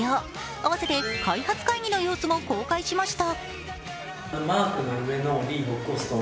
併せて開発会議の様子も公開しました。